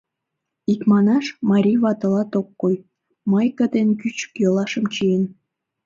Икманаш, марий ватылат ок кой: майке ден кӱчык йолашым чиен.